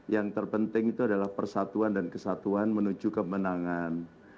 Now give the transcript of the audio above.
yang terpenting itu adalah persatuan dan kesatuan menuju kemenangan